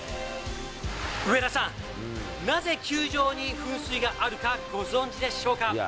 上田さん、なぜ球場に噴水があるかご存じでしょうか。